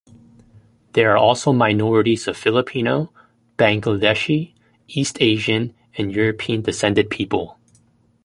There are also minorities of Filipino, Bangladeshi, East Asian and European-descended people.